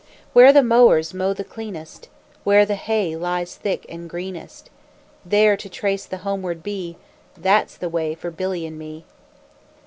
Where the mowers mow the cleanest, Where the hay lies thick and greenest, There to trace the homeward bee, That's the way for Billy and me.